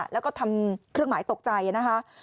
แล้วก็ทำเครื่องหมายตกใจนะคะ